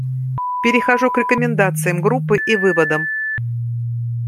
Перехожу к рекомендациям группы и выводам.